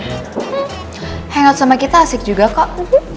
hangout sama kita asik juga kok